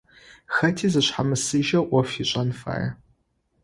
Хэти зышъхьамысыжьэу ӏоф ышӏэн фае.